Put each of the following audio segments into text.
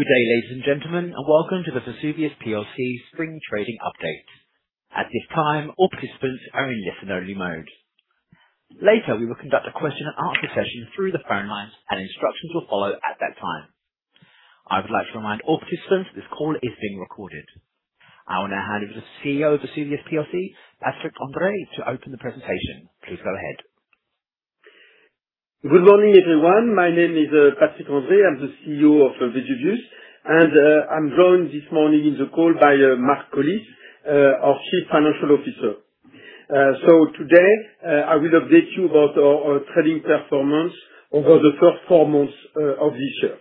Good day, ladies and gentlemen, welcome to the Vesuvius PLC Spring Trading update. At this time, all participants are in listen-only mode. Later we will conduct a question-and-answer session through a phone line and instruction will follow at that time. I would like to remind all participants this call is being recorded. I will now hand it to the CEO of Vesuvius PLC, Patrick André, to open the presentation. Please go ahead. Good morning, everyone. My name is Patrick André. I'm the CEO of Vesuvius, and I'm joined this morning in the call by Mark Collis, our Chief Financial Officer. Today, I will update you about our trading performance over the first four months of this year.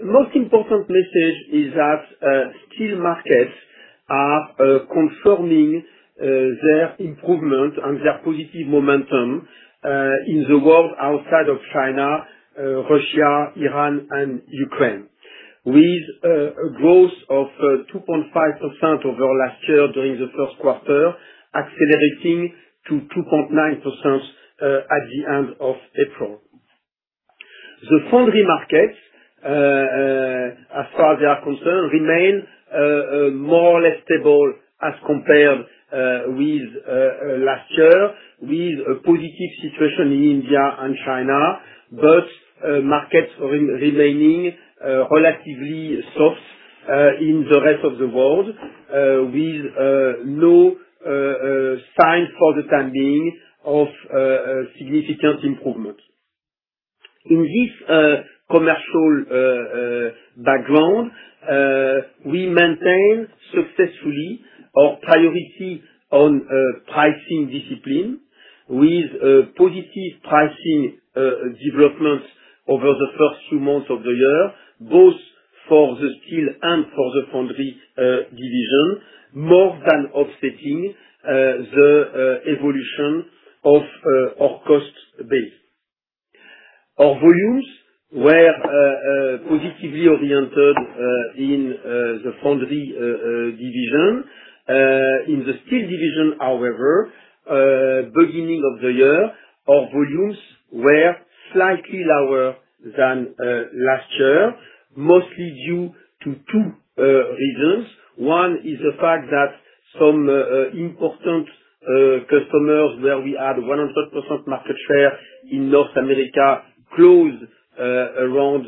Most important message is that steel markets are confirming their improvement and their positive momentum in the world outside of China, Russia, Iran, and Ukraine, with a growth of 2.5% over last year during the first quarter, accelerating to 2.9% at the end of April. The foundry markets, as far they are concerned, remain more or less stable as compared with last year, with a positive situation in India and China. Markets remaining relatively soft in the rest of the world, with no signs for the time being of significant improvement. In this commercial background, we maintain successfully our priority on pricing discipline, with positive pricing developments over the first few months of the year, both for the steel and for the foundry division, more than offsetting the evolution of our cost base. Our volumes were positively oriented in the foundry division. In the steel division, however, beginning of the year, our volumes were slightly lower than last year, mostly due to two regions. One is the fact that some important customers, where we had 100% market share in North America, closed around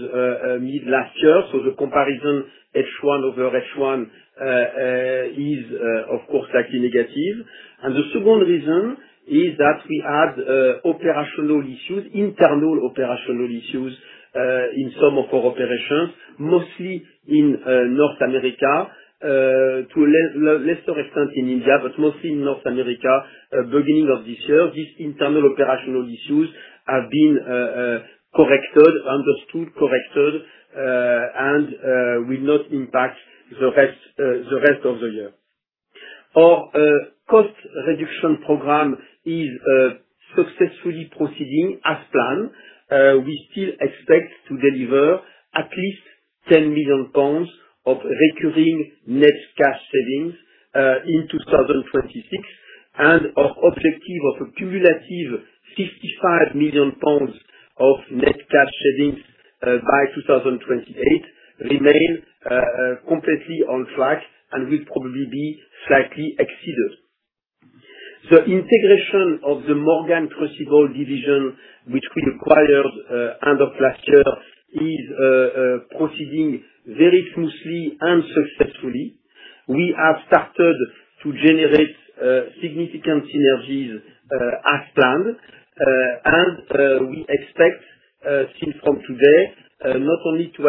mid last year. The comparison, H1 over H1, is of course, slightly negative. The second reason is that we had operational issues, internal operational issues, in some of our operations, mostly in North America. To a lesser extent in India, but mostly in North America, beginning of this year, these internal operational issues have been corrected, understood, corrected, and will not impact the rest of the year. Our cost reduction program is successfully proceeding as planned. We still expect to deliver at least 10 million pounds of recurring net cash savings in 2026, and our objective of a cumulative 55 million pounds of net cash savings by 2028 remain completely on track and will probably be slightly exceeded. The integration of the Morgan Advanced Materials division, which we acquired end of last year is proceeding very smoothly and successfully. We have started to generate significant synergies as planned, and we expect, since from today, not only to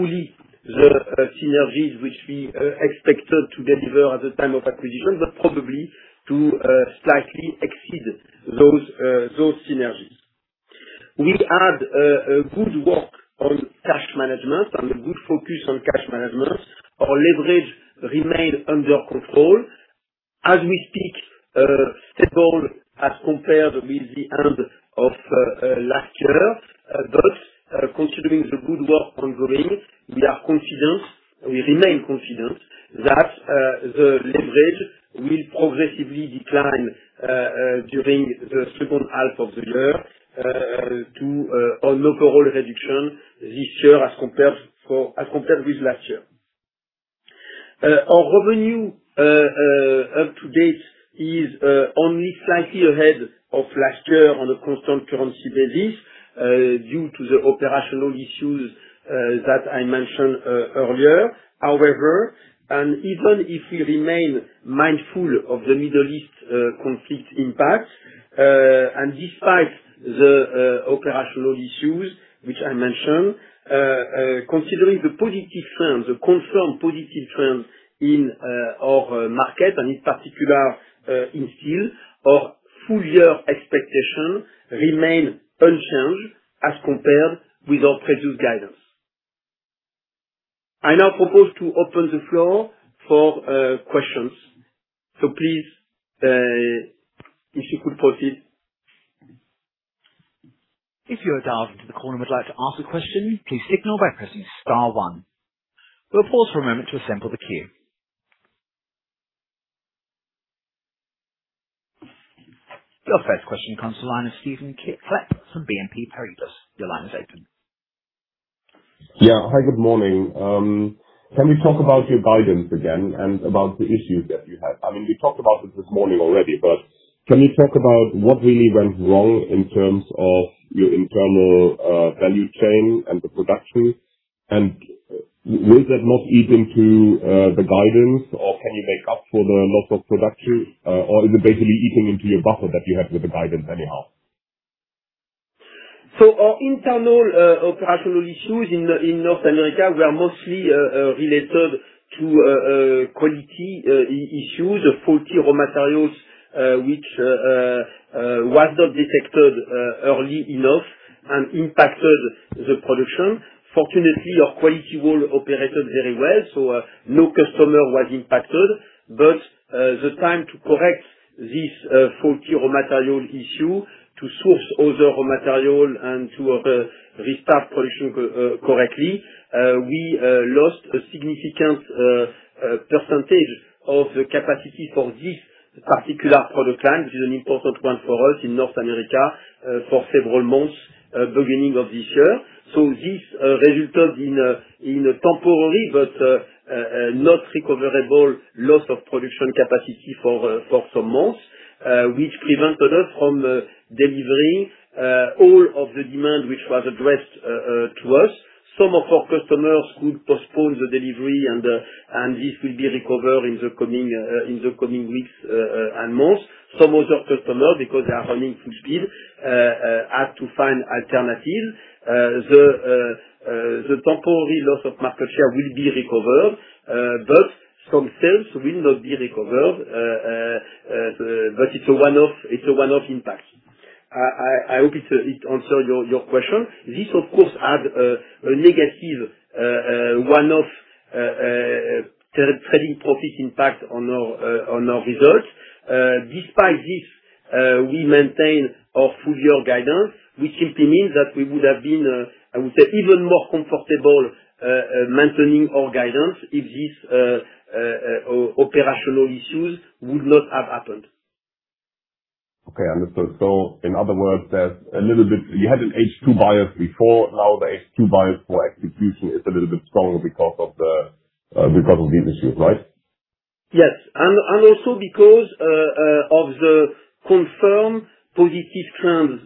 achieve fully the synergies which we expected to deliver at the time of acquisition, but probably to slightly exceed those synergies. We had good work on cash management and a good focus on cash management. Our leverage remained under control. As we speak, stable as compared with the end of last year. Considering the good work ongoing, we are confident, we remain confident that the leverage will progressively decline during the second half of the year to an overall reduction this year as compared with last year. Our revenue up to date is only slightly ahead of last year on a constant currency basis due to the operational issues that I mentioned earlier. Even if we remain mindful of the Middle East conflict impact, and despite the operational issues which I mentioned, considering the positive trends, the confirmed positive trends in our market and in particular, in steel, our full-year expectation remain unchanged as compared with our previous guidance. I now propose to open the floor for questions. Please, if you could proceed. If you want to ask a question please press star one. Your first question comes to line is Stephan Klepp from BNP Paribas. Your line is open. Yeah. Hi, good morning. Can we talk about your guidance again and about the issues that you had? We talked about it this morning already, but can we talk about what really went wrong in terms of your internal value chain and the production? Will that not eat into the guidance, or can you make up for the loss of production? Is it basically eating into your buffer that you have with the guidance anyhow? Our internal operational issues in North America were mostly related to quality issues of faulty raw materials, which was not detected early enough and impacted the production. Fortunately, our quality wall operated very well, so no customer was impacted. The time to correct this faulty raw material issue to source other raw material and to restart production correctly, we lost a significant percentage of the capacity for this particular product line, which is an important one for us in North America, for several months beginning of this year. This resulted in a temporary but not recoverable loss of production capacity for some months, which prevented us from delivering all of the demand which was addressed to us. Some of our customers could postpone the delivery, and this will be recovered in the coming weeks and months. Some of our customers, because they are running full speed, had to find alternatives. The temporary loss of market share will be recovered, but some sales will not be recovered. It's a one-off impact. I hope it answer your question. This, of course, had a negative one-off trading profit impact on our results. Despite this, we maintain our full-year guidance, which simply means that we would have been, I would say, even more comfortable maintaining our guidance if these operational issues would not have happened. Okay, understood. In other words, you had an H2 bias before. Now the H2 bias for execution is a little bit stronger because of these issues, right? Yes. Also because of the confirmed positive trends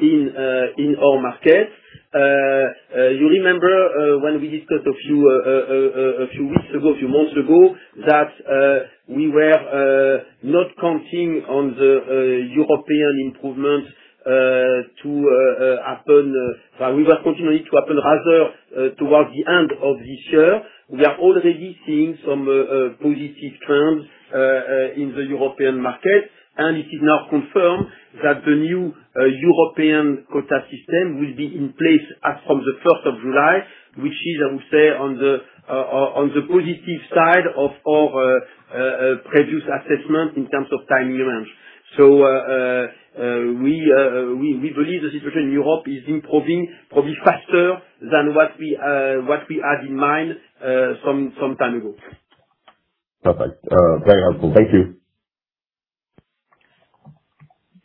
in our market. You remember when we discussed a few weeks ago, a few months ago, that we were not counting on the European improvement to happen, We were continuing to happen rather towards the end of this year. We are already seeing some positive trends in the European market, and it is now confirmed that the new European quota system will be in place as from the first of July, which is, I would say, on the positive side of our previous assessment in terms of timing range. We believe the situation in Europe is improving, probably faster than what we had in mind some time ago. Perfect. Very helpful. Thank you.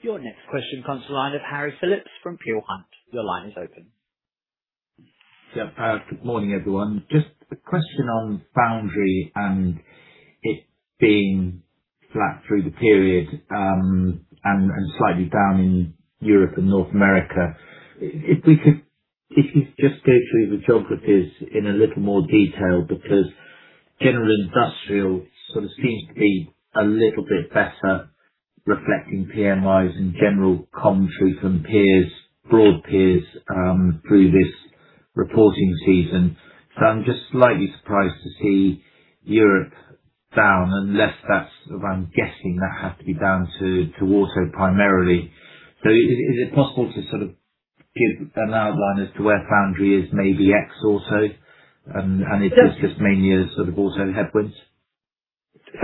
Your next question comes to the line of Harry Philips from Peel Hunt. Your line is open. Yeah. Good morning, everyone. Just a question on foundry and it being flat through the period, and slightly down in Europe and North America. If we could, if you could just go through the geographies in a little more detail, because general industrial sort of seems to be a little bit better, reflecting PMIs and general commentary from peers, broad peers, through this reporting season. I'm just slightly surprised to see Europe down, unless that's, I'm guessing, that had to be down to auto primarily. Is it possible to sort of give an outline as to where foundry is, maybe ex-auto, and it is just mainly as sort of auto headwinds? Thank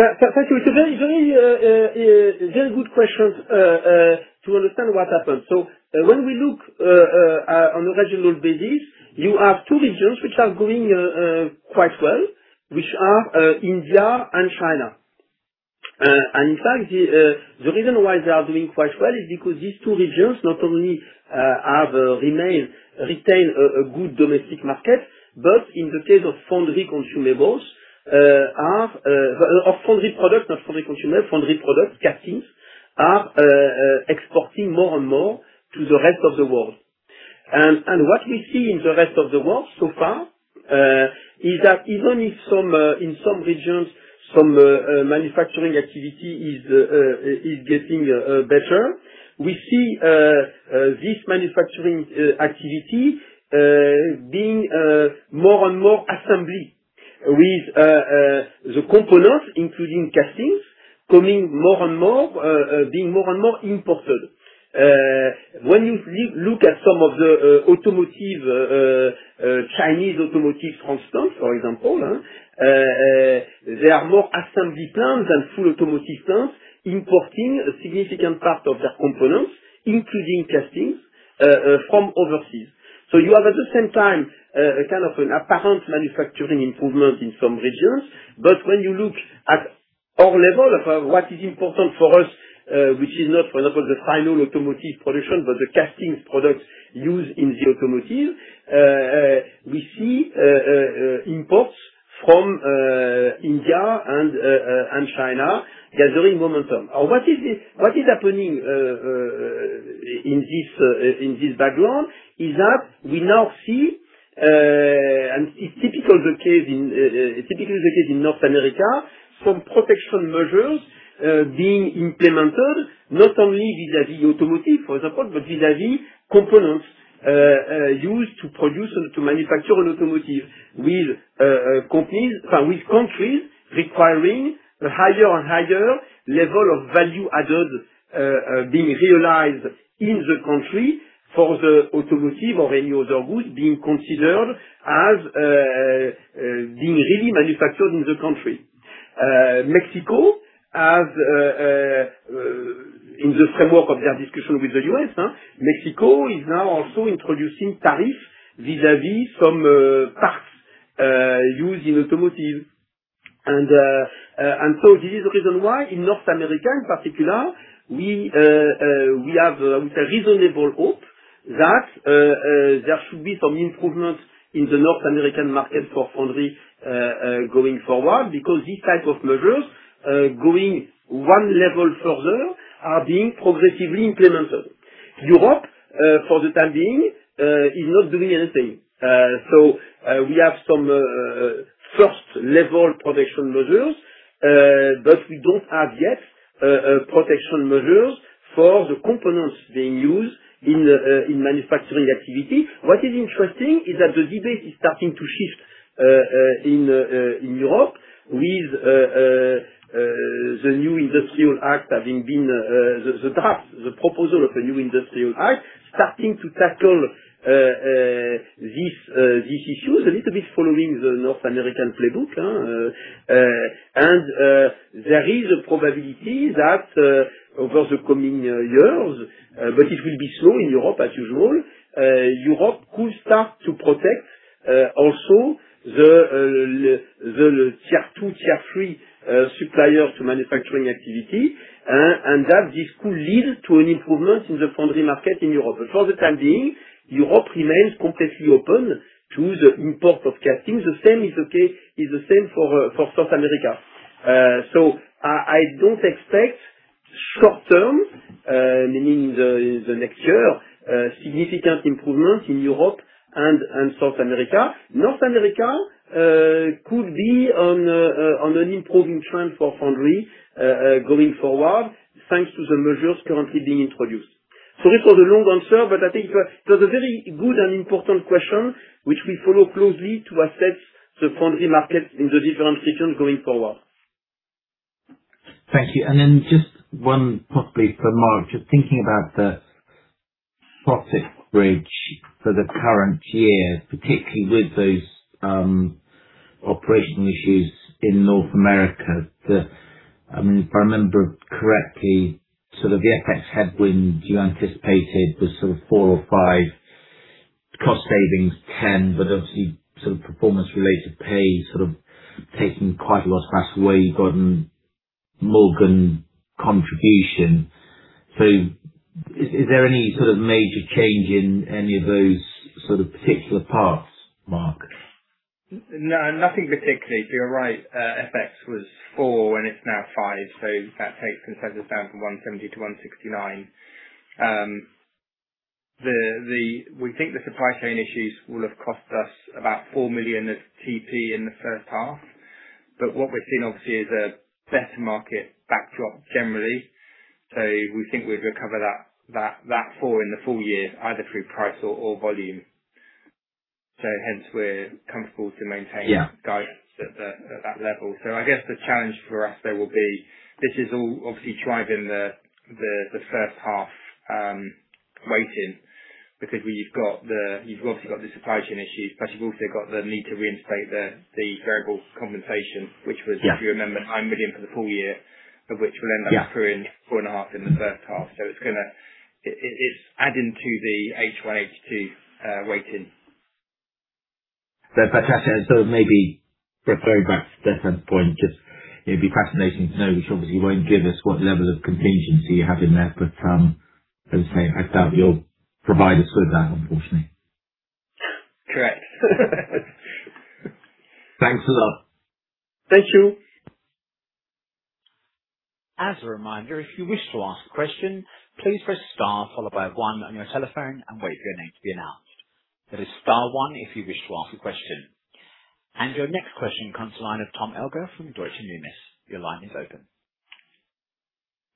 you. It's a very good question to understand what happened. When we look on a regional basis, you have two regions which are doing quite well, which are India and China. In fact, the reason why they are doing quite well is because these two regions not only have retained a good domestic market, but in the case of foundry products, not foundry consumables, foundry products, castings, are exporting more and more to the rest of the world. What we see in the rest of the world so far, is that even if in some regions, some manufacturing activity is getting better, we see this manufacturing activity being more and more assembly with the components, including castings, being more and more imported. When you look at some of the Chinese automotive transplants, for example, there are more assembly plants than full automotive plants importing a significant part of their components, including castings from overseas. You have, at the same time, a kind of an apparent manufacturing improvement in some regions. When you look at our level of what is important for us, which is not, for example, the final automotive production, but the castings products used in the automotive, we see imports from India and China gathering momentum. What is happening in this background is that we now see, and it is typically the case in North America, some protection measures being implemented, not only vis-a-vis automotive, for example, but vis-a-vis components used to produce and to manufacture an automotive with countries requiring higher and higher level of value added being realized in the country for the automotive or any other goods being considered as being really manufactured in the country. In the framework of their discussion with the U.S., Mexico is now also introducing tariff vis-a-vis some parts used in automotive. This is the reason why in North America, in particular, we have a reasonable hope that there should be some improvements in the North American market for foundry going forward, because these type of measures going one level further are being progressively implemented. Europe, for the time being, is not doing anything. We have some first-level protection measures, but we don't have yet protection measures for the components being used in manufacturing activity. What is interesting is that the debate is starting to shift in Europe with the draft, the proposal of a new industrial act starting to tackle these issues a little bit following the North American playbook. There is a probability that over the coming years, but it will be slow in Europe as usual, Europe could start to protect also the tier 2, tier 3 suppliers to manufacturing activity, and that this could lead to an improvement in the foundry market in Europe. For the time being, Europe remains completely open to the import of castings. The same is the case for South America. I don't expect short-term, meaning the next year, significant improvement in Europe and South America. North America could be on an improving trend for foundry going forward thanks to the measures currently being introduced. This was a long answer, but I think it was a very good and important question, which we follow closely to assess the foundry market in the different regions going forward. Thank you. Just one possibly for Mark Collis. Just thinking about the bridge for the current year, particularly with those operational issues in North America. If I remember correctly, the FX headwind you anticipated was 4 or 5, cost savings 10, but obviously some performance-related pay taking quite a lot of that away. You've got Morgan contribution. Is there any sort of major change in any of those particular parts, Mark Collis? No, nothing particularly. You're right, FX was four and it's now five, that takes us down from 170 to 169. We think the supply chain issues will have cost us about 4 million of TP in the first half. What we've seen, obviously, is a better market backdrop generally. We think we've recovered that 4 in the full year, either through price or volume. Hence we're comfortable to maintain- Yeah guides at that level. I guess the challenge for us there will be this is all obviously driving the first half weighting, because you've obviously got the supply chain issues, but you've also got the need to reinstate the variable compensation. Yeah which was, if you remember, 9 million for the full-year, of which we'll end up accruing four and a half in the first half. It's adding to the H1/H2 weighting. Perhaps, as sort of maybe referring back to Stephan's point, just it'd be fascinating to know, which obviously you won't give us what level of contingency you have in there. As I say, I doubt you'll provide us with that, unfortunately. Correct. Thanks a lot. Thank you. As a reminder if you wish to ask a question please press star followed by one on your telephone and wait your name to be announce. Your next question comes to the line of Tom Elgar from Deutsche Numis.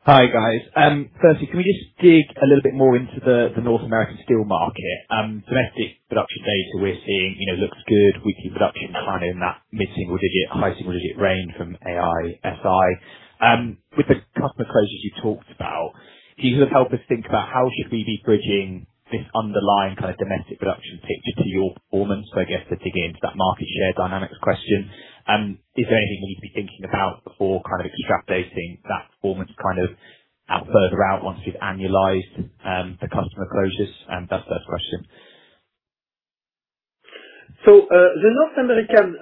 Hi, guys. Firstly, can we just dig a little bit more into the North American steel market? Domestic production data we're seeing looks good. Weekly production kind of in that mid-single digit, high single-digit range from AISI. With the customer closures you talked about, can you sort of help us think about how should we be bridging this underlying kind of domestic production picture to your performance? I guess to dig into that market share dynamics question. Is there anything we need to be thinking about before kind of extrapolating that performance kind of out further out once we've annualized the customer closures? That's the first question. The North American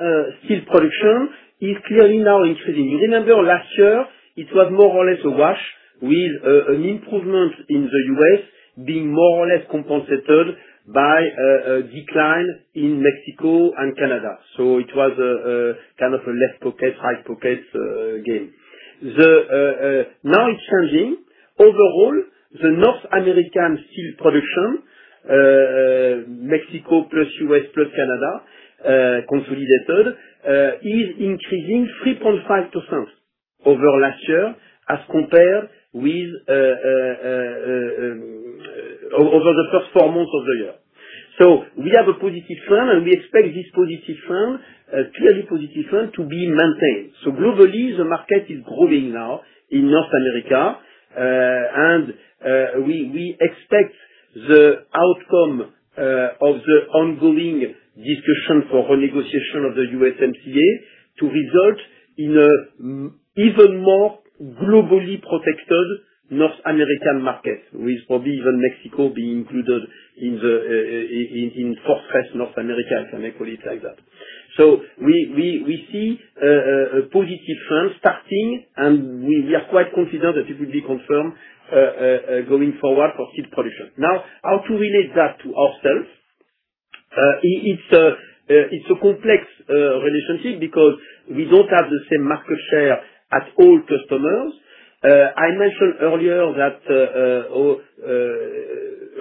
steel production is clearly now increasing. You remember last year, it was more or less a wash with an improvement in the U.S. being more or less compensated by a decline in Mexico and Canada. It was a left pocket, right pocket game. Now it's changing. Overall, the North American steel production, Mexico plus U.S. plus Canada, consolidated, is increasing 3.5% over last year as compared with over the first four months of the year. We have a positive trend, and we expect this positive trend, clearly positive trend, to be maintained. Globally, the market is growing now in North America. We expect the outcome of the ongoing discussion for renegotiation of the USMCA to result in an even more globally protected North American market, with probably even Mexico being included in Fortress North America, if I may call it like that. We see a positive trend starting, and we are quite confident that it will be confirmed going forward for steel production. Now, how to relate that to ourselves. It's a complex relationship because we don't have the same market share as old customers. I mentioned earlier that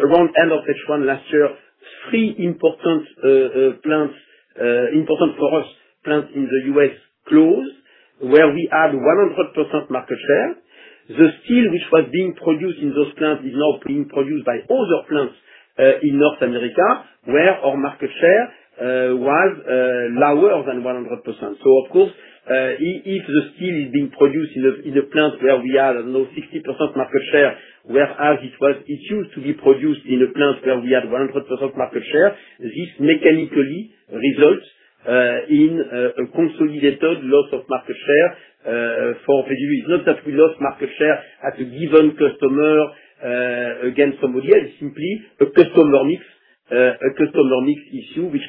around end of H1 last year, three important for us plants in the U.S. closed, where we had 100% market share. The steel which was being produced in those plants is now being produced by other plants in North America, where our market share was lower than 100%. Of course, if the steel is being produced in a plant where we have, I don't know, 60% market share, whereas it used to be produced in a plant where we had 100% market share, this mechanically results in a consolidated loss of market share for Vesuvius. Not that we lost market share at a given customer against somebody else, simply a customer mix issue, which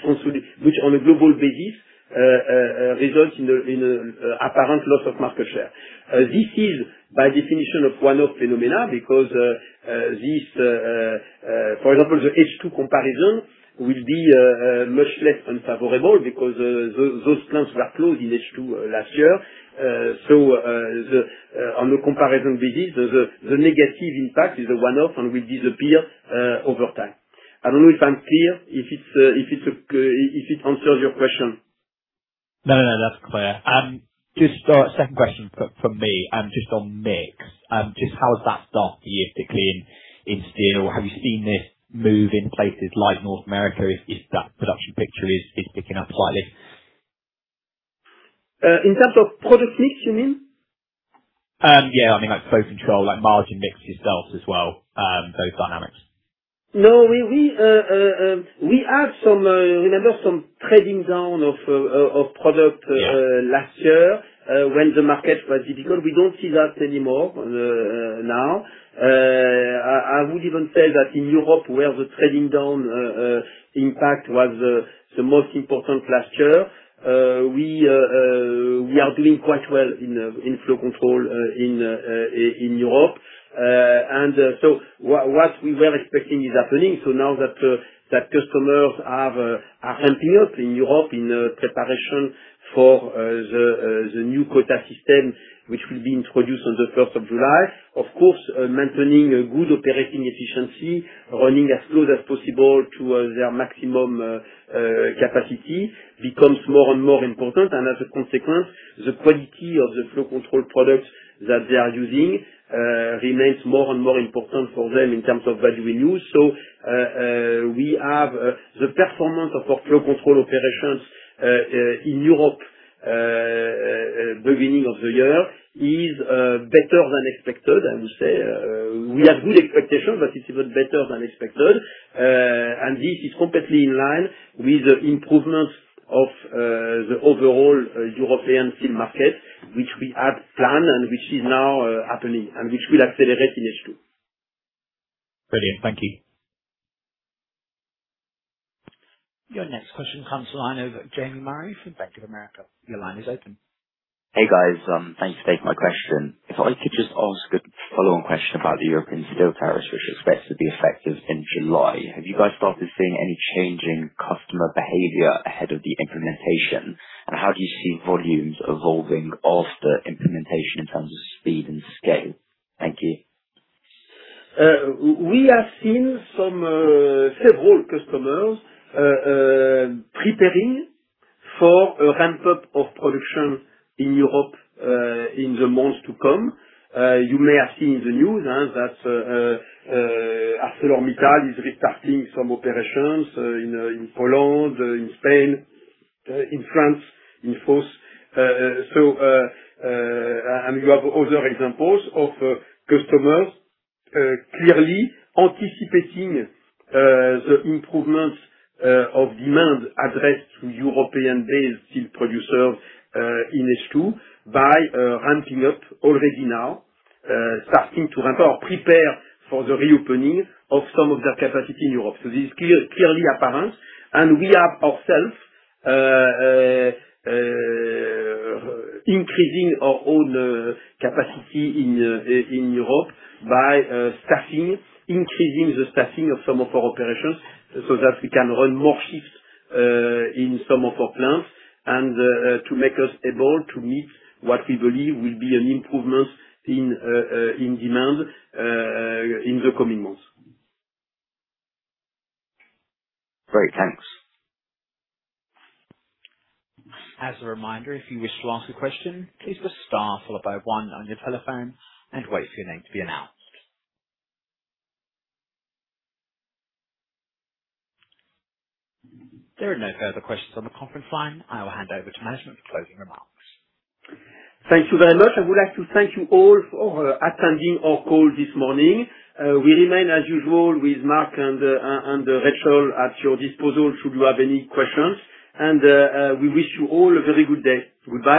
on a global basis, results in an apparent loss of market share. This is by definition a one-off phenomenon, because these, for example, the H2 comparison will be much less unfavorable because those plants were closed in H2 last year. On a comparison basis, the negative impact is a one-off and will disappear over time. I don't know if I'm clear, if it answers your question. No, that's clear. Just a second question from me, just on mix. Just how has that start to year been in steel? Have you seen this move in places like North America, if that production picture is picking up slightly? In terms of product mix, you mean? Yeah, Flow Control, like margin mix itself as well, both dynamics. No, we had some, remember, some trading down of product-. Yeah last year when the market was difficult. We don't see that anymore now. I would even say that in Europe where the trading down impact was the most important last year. We are doing quite well in Flow Control in Europe. What we were expecting is happening. Now that customers are ramping up in Europe in preparation for the new quota system, which will be introduced on the 1st of July. Of course, maintaining a good operating efficiency, running as close as possible to their maximum capacity becomes more and more important. As a consequence, the quality of the Flow Control products that they are using remains more and more important for them in terms of value in use. We have the performance of our Flow Control operations in Europe beginning of the year is better than expected, I would say. We had good expectations, but it's even better than expected. This is completely in line with the improvements of the overall European steel market, which we had planned and which is now happening and which will accelerate in H2. Brilliant. Thank you. Your next question comes from the line of Jamie Murray from Bank of America. Your line is open. Hey, guys. Thanks for taking my question. If I could just ask a follow-on question about the European steel tariffs, which is expected to be effective in July. Have you guys started seeing any change in customer behavior ahead of the implementation? How do you see volumes evolving after implementation in terms of speed and scale? Thank you. We have seen several customers preparing for a ramp-up of production in Europe in the months to come. You may have seen in the news that ArcelorMittal is restarting some operations in Poland, in Spain, in France, in Fos-sur-Mer. You have other examples of customers clearly anticipating the improvements of demand addressed to European-based steel producers in H2 by ramping up already now, starting to ramp up, prepare for the reopening of some of their capacity in Europe. This is clearly apparent, and we have ourselves increasing our own capacity in Europe by staffing, increasing the staffing of some of our operations so that we can run more shifts in some of our plants and to make us able to meet what we believe will be an improvement in demand in the coming months. Great. Thanks. As a reminder if you wish to ask a question please press star followed by one on your telephone and wait your name to be announce. There are no further questions on the conference line. I will hand over to management for closing remarks. Thank you very much. I would like to thank you all for attending our call this morning. We remain, as usual, with Mark and Rachel at your disposal should you have any questions. We wish you all a very good day. Goodbye.